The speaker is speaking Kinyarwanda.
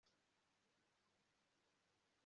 maze iharimburure amahanga